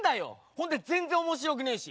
ほんで全然面白くねえし。